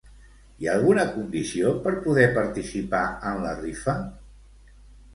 Hi ha alguna condició per poder participar en la rifa?